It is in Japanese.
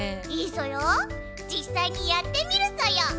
じっさいにやってみるソヨ。